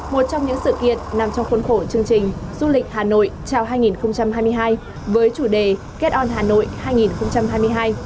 một trong những sự kiện nằm trong khuôn khổ chương trình du lịch hà nội chào hai nghìn hai mươi hai với chủ đề kết on hà nội hai nghìn hai mươi hai